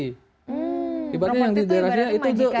properti tuh ibaratnya majikan juga ya